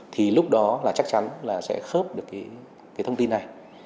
thì lúc đó là chắc chắn là sẽ khớp được cái thông tin này